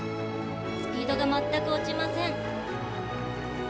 スピードが全く落ちません。